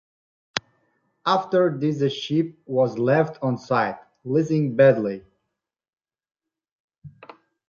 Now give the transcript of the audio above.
After this the ship was left on site, listing badly.